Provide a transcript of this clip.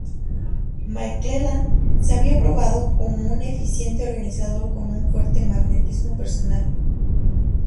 McClellan se había probado como un eficiente organizador con un fuerte magnetismo personal.